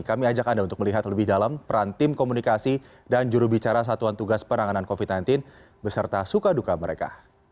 kami ajak anda untuk melihat lebih dalam peran tim komunikasi dan jurubicara satuan tugas penanganan covid sembilan belas beserta suka duka mereka